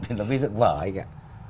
thì nó mới dựng vở ấy kìa